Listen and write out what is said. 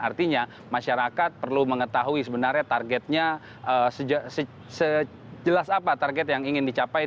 artinya masyarakat perlu mengetahui sebenarnya targetnya sejelas apa target yang ingin dicapai